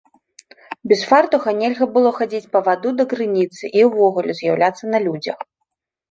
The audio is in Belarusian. Без фартуха нельга было хадзіць па ваду да крыніцы і ўвогуле з'яўляцца на людзях.